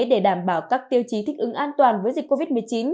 để đảm bảo các tiêu chí thích ứng an toàn với dịch covid một mươi chín